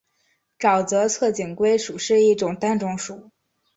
沼泽侧颈龟属是一个单种属。